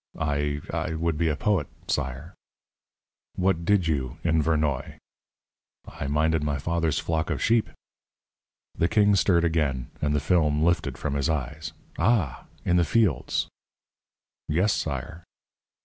"I I would be a poet, sire." "What did you in Vernoy?" "I minded my father's flock of sheep." The king stirred again, and the film lifted from his eyes. "Ah! in the fields!" "Yes, sire."